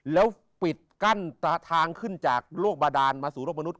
แล้วปิดกั้นทางขึ้นจากโรคบาดานมาสู่โลกมนุษ